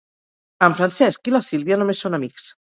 En Francesc i la Sílvia només són amics.